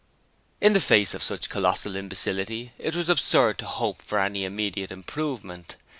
In the face of such colossal imbecility it was absurd to hope for any immediate improvement.